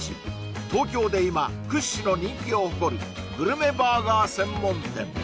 東京で今屈指の人気を誇るグルメバーガー専門店